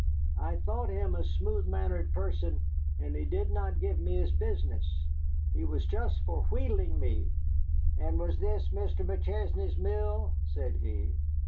I thought him a smooth mannered person, and he did not give his business. He was just for wheedling me. 'And was this McChesney's mill?' said he.